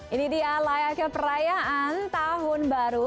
ini dia layaknya perayaan tahun baru